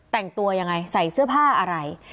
แต่งตัวยังไงใส่เสื้อผ้าอะไร